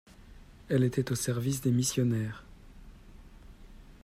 Elle était au service des missionnaires.